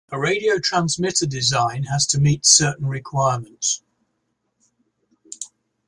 A radio transmitter design has to meet certain requirements.